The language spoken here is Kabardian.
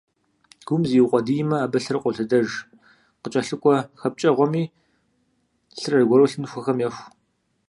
Гум зиукъуэдиймэ, абы лъыр къолъэдэж, къыкӀэлъыкӀуэ хэпкӀэгъуэми лъыр аргуэру лъынтхуэхэм еху.